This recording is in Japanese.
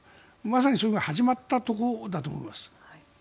まさにそれが始まったところだと思います。